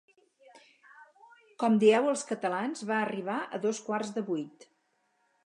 Com dieu els catalans va arribar a dos quarts de vuit.